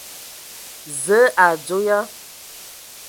Zǝə, o adzo ya ?